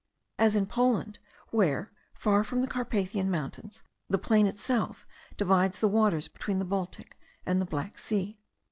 as in Poland, where, far from the Carpathian mountains, the plain itself divides the waters between the Baltic and the Black Sea.